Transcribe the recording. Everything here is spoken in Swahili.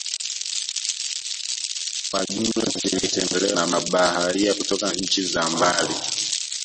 kwa jumla zilitembelewa na mabaharia kutoka nchi za mbali